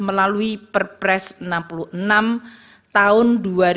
melalui perpres enam puluh enam tahun dua ribu dua puluh